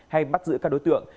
hay bắt giữ các đối tượng